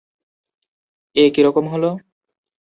এ কিরকম হল?